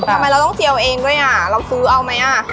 ทำไมเราต้องเจียวเองด้วยอ่ะเราซื้อเอาไหมอ่ะ